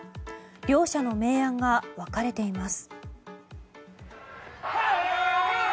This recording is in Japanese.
両者の明暗が分かれています。